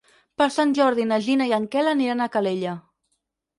Per Sant Jordi na Gina i en Quel aniran a Calella.